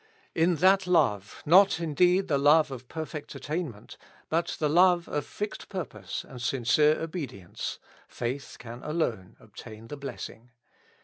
Li that love, not indeed the love of perfect attainment, but the love of fixed pur pose and sincere obedience, faith can alone obtain the blessing.